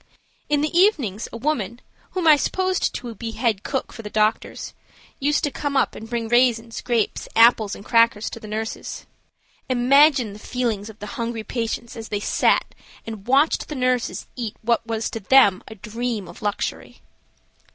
In the evenings a woman, whom I supposed to be head cook for the doctors, used to come up and bring raisins, grapes, apples, and crackers to the nurses. Imagine the feelings of the hungry patients as they sat and watched the nurses eat what was to them a dream of luxury.